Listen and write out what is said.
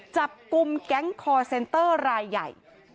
จับกลุ่มแก๊งคอร์เซนเตอร์รายใหญ่